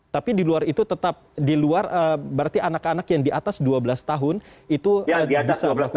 tapi di luar itu tetap di luar berarti anak anak yang di atas dua belas tahun itu bisa melakukan